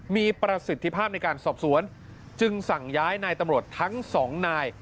มีประสิทธิภาพในการสอบสวนจึงสั่งย้ายนายตำรวจทั้งสองนาย